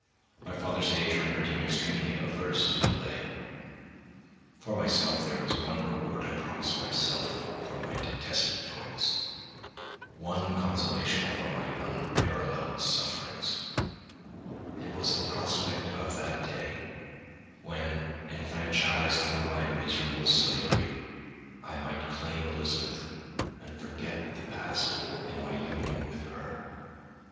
My father's age rendered him extremely averse to delay. For myself, there was one reward I promised myself from my detested toils—one consolation for my unparalleled sufferings; it was the prospect of that day when, enfranchised from my miserable slavery, I might claim Elizabeth and forget the past in my union with her.